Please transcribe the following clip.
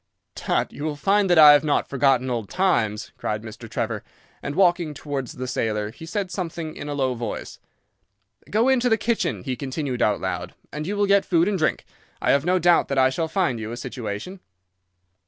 "'Tut, you will find that I have not forgotten old times,' cried Mr. Trevor, and, walking towards the sailor, he said something in a low voice. 'Go into the kitchen,' he continued out loud, 'and you will get food and drink. I have no doubt that I shall find you a situation.